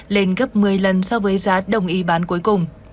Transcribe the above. lên gấp một mươi lần so với giá đồng ý bán cuối cùng